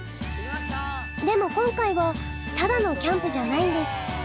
でも今回はただのキャンプじゃないんです。